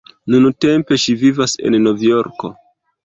Nuntempe, ŝi vivas en Nov-Jorko.